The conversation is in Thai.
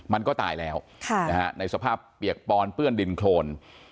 มันก็ตายแล้วในสภาพเปียกปอนเปื้อนดินโครน